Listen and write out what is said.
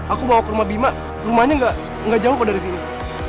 aku bawa ke rumah bima rumahnya nggak jauh kok dari sini